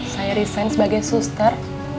saya resign sebagai suster